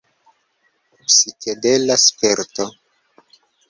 Psikedela sperto!